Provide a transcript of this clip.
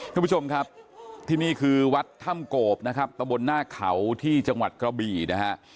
ทุกผู้ชมครับที่นี่คือวัดถ้ำโกบนะครับตะบนหน้าเขาที่จังหวัดกระบี่นะฮะ